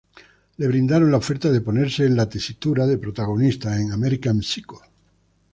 Le brindaron la oferta de ponerse en la tesitura de protagonista, en American Psycho.